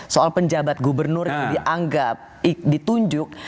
soal penjabat gubernur yang dianggap ditunjuk